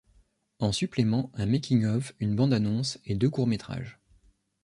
En suppléments un making of, une bande annonce et deux courts métrages.